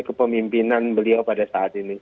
kepemimpinan beliau pada saat ini